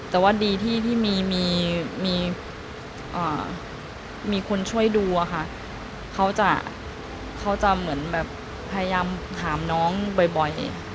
แต่ว่าดีที่มีคนช่วยดูเขาจะพยายามถามน้องบ่อย